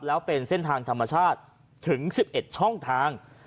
แล้วเป็นเส้นทางธรรมชาติถึง๑๑ช่องทาง